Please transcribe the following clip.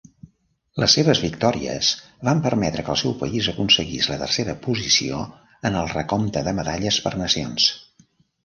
Les seves victòries van permetre que el seu país aconseguís la tercera posició en el recompte de medalles per nacions.